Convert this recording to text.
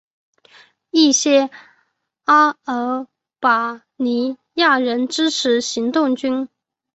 一些阿尔巴尼亚人支持行动军。